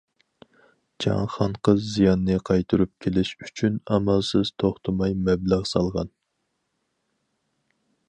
جاڭ خانقىز زىياننى قايتۇرۇپ كېلىش ئۈچۈن، ئامالسىز توختىماي مەبلەغ سالغان.